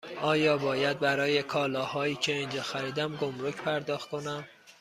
آیا باید برای کالاهایی که اینجا خریدم گمرگ پرداخت کنم؟